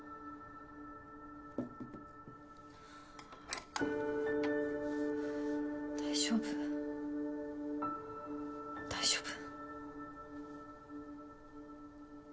はぁ大丈夫大丈夫。